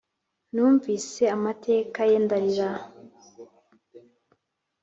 Numvise amateka ye ndarira